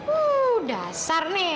uuuhh dasar nih